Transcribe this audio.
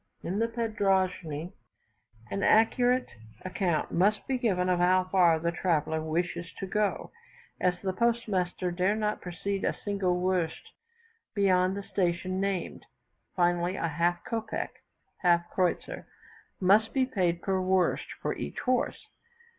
In the padroschne an accurate account must be given of how far the traveller wishes to go, as the postmaster dare not proceed a single werst beyond the station named. Finally, a half kopec (half kreutzer), must be paid per werst for each horse.